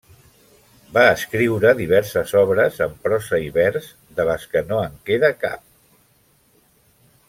Va escriure diverses obres en prosa i vers, de les que no en queda cap.